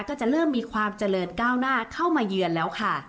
ก็จะเริ่มมีความเจริญก้าวหน้าเข้ามาเยือนแล้วค่ะ